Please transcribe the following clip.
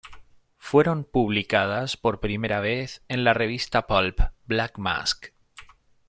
Fueron publicadas por primera vez en la revista pulp "Black Mask".